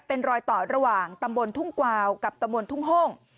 เป็นรอยต่อระหว่างตำบลทุ่งกวาวกับตำบลทุ่งห้อง